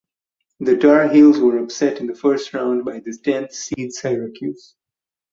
The Tar Heels were upset in the first round by the tenth seed Syracuse.